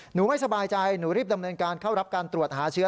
ไม่สบายใจหนูรีบดำเนินการเข้ารับการตรวจหาเชื้อ